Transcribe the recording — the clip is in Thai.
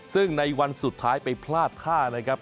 ซึ่งในวันสุดท้ายไปพลาดท่านะครับ